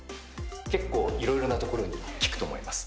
結構色々なところに効くと思います。